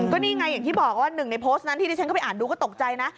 ก็นี่ไงอย่างที่บอกว่าหนึ่งในโพสต์นั้นที่ที่ฉันเข้าไปอ่านดูก็ตกใจนะ